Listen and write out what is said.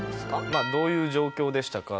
まあどういう状況でしたか？